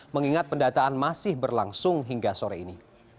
mengingat pendataan masih berlangsung hingga sore ini